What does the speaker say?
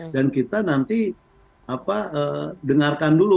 dan kita nanti dengarkan dulu